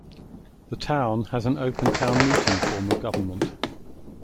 The town has an open town meeting form of government.